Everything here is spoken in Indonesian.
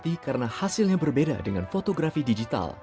tapi karena hasilnya berbeda dengan fotografi digital